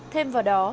thêm vào đó